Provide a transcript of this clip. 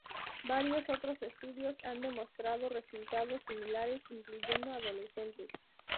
Varios otros estudios han mostrado resultados similares, incluyendo adolescentes.